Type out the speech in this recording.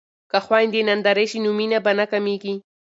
که خویندې نندرې شي نو مینه به نه کمیږي.